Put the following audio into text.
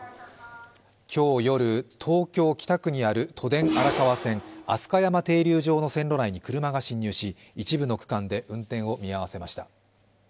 今日夜、東京・北区にある都電荒川線・飛鳥山停留場の線路内に車が侵入し、一部の区間で運転を見合わせました。